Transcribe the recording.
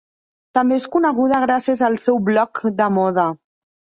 També és coneguda gràcies al seu blog de moda.